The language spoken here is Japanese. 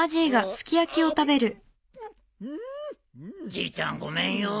じいちゃんごめんよ。